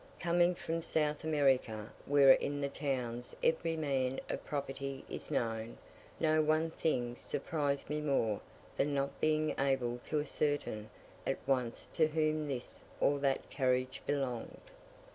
Coming from South America, where in the towns every man of property is known, no one thing surprised me more than not being able to ascertain at once to whom this or that carriage belonged.